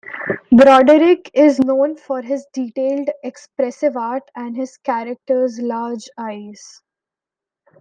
Broderick is known for his detailed, expressive art, and his characters' large eyes.